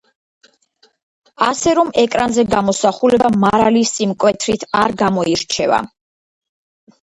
ასე რომ ეკრანზე გამოსახულება მარალი სიმკვეთრით არ გამოირჩევა.